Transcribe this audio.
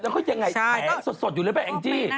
แล้วก็ยังไงแผงสดอยู่เลยป่ะแองจี้